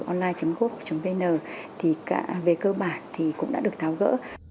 online gov vn về cơ bản thì cũng đã được tháo gỡ